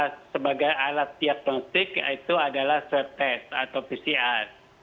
jadi tes sebagai alat diagnostik itu adalah swab test atau pcr